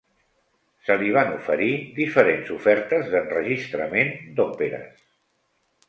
Si li van oferir diferents ofertes d'enregistrament d'òperes.